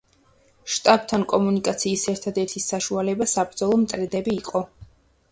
შტაბთან კომუნიკაციის ერთადერთი საშუალება საბრძოლო მტრედები იყო.